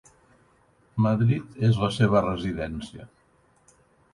Madrid és la seva residència.